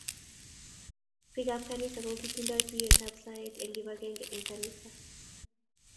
Biik ab kanisa kokitindo tuyet ab saet eng kibagenge eng kanisa